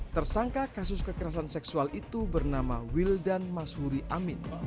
tersangka kasus kekerasan seksual itu bernama wildan masuri amin